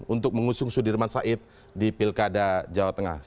untuk mengusung sudirman said di pilkada jawa tengah